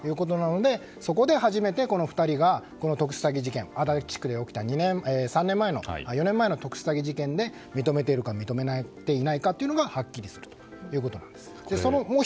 そこで初めて２人が足立区で起きた４年前の特殊詐欺事件で認めているか、認めていないかというのがはっきりするということです。